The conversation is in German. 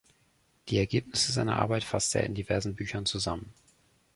Die Ergebnisse seiner Arbeit fasste er in diversen Büchern zusammen.